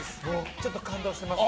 ちょっと感動してます。